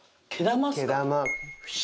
毛玉。